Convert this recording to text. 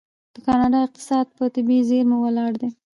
د کاناډا اقتصاد په طبیعي زیرمو ولاړ دی.